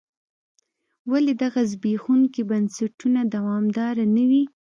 ولې دغه زبېښونکي بنسټونه دوامداره نه وي.